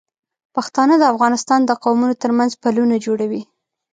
پښتانه د افغانستان د قومونو تر منځ پلونه جوړوي.